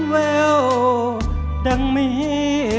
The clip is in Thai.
เพลงพร้อมร้องได้ให้ล้าน